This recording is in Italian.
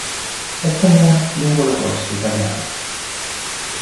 È comune lungo le coste italiane.